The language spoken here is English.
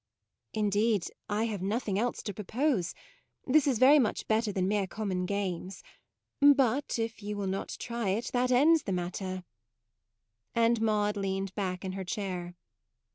u Indeed I have nothing else to propose. This is very much better than mere common games ; but if you will not try it, that ends the 26 MAUDE matter": and Maude leaned back in her chair.